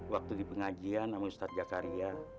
waktu di pengajian sama ustaz gakaria